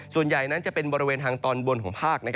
ส่วนใหญ่นั้นจะเป็นบริเวณทางตอนบนของภาค